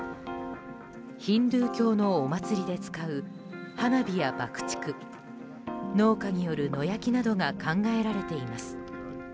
ヒンドゥー教のお祭りで使う花火や爆竹農家による野焼きなどが考えられています。